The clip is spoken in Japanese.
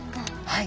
はい。